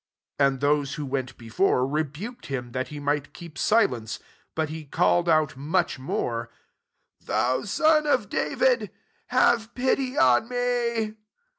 39 And those who went before rebuked him, that he might keep silence : but he called out much more, " Thou son of David, have pity on me.''